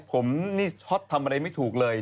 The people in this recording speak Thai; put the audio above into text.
ผมนี่ช็อตทำอะไรไม่ถูกเลย